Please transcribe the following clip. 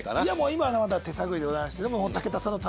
今まだ手探りでございまして。